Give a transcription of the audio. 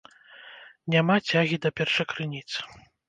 Няма цягі да першакрыніц.